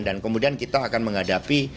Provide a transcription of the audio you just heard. dan kemudian kita akan menghadapi